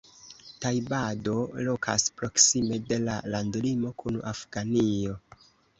Tajbado lokas proksime de la landlimo kun Afganio.